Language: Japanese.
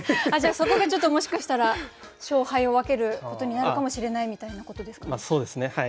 じゃあそこがちょっともしかしたら勝敗を分けることになるかもしれないみたいなことですかね？